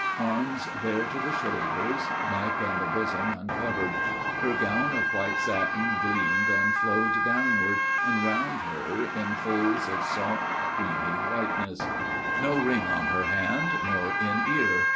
Arms bare to the shoulders. Neck and bosom uncovered. Her gown of white satin gleamed and flowed downward And round her in folds of soft, creamy whiteness. No ring on her hand, nor in ear.